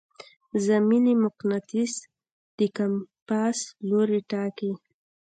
زمیني مقناطیس د کمپاس لوری ټاکي.